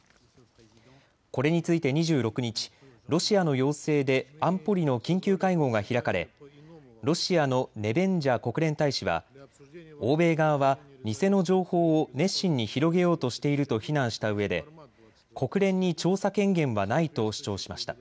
これについて２６日、ロシアの要請で安保理の緊急会合が開かれロシアのネベンジャ国連大使は欧米側は偽の情報を熱心に広げようとしていると非難したうえで国連に調査権限はないと主張しました。